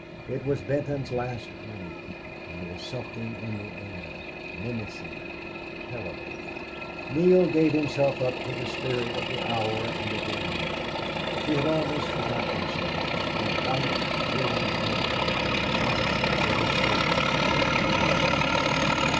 It was Benton's last night, and there was something in the air, menacing, terrible. Neale gave himself up to the spirit of the hour and the game. He had almost forgotten himself when a white, jeweled hand flashed over his shoulder, to touch it softly.